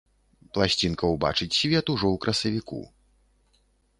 Пласцінка убачыць свет ужо ў красавіку.